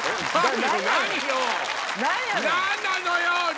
何なのよ！